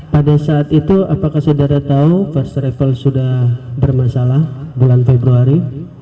pada saat itu apakah saudara tahu first travel sudah bermasalah bulan februari